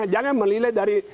jangan melilai dari